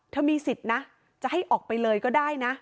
มีสิทธิ์นะจะให้ออกไปเลยก็ได้นะ